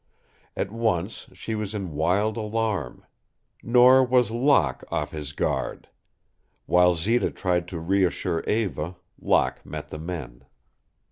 At once she was in wild alarm. Nor was Locke off his guard. While Zita tried to reassure Eva, Locke met the men.